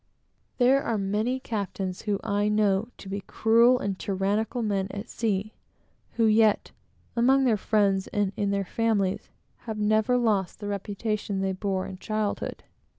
There are many captains whom I know to be cruel and tyrannical men at sea, who yet, among their friends, and in their families, have never lost the reputation they bore in childhood.